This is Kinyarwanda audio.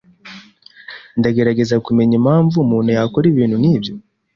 Ndagerageza kumenya impamvu umuntu yakora ibintu nkibyo.